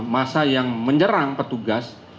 masa yang menyerang petugas